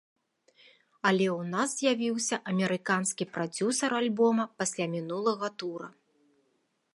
Але ў нас з'явіўся амерыканскі прадзюсар альбома пасля мінулага тура.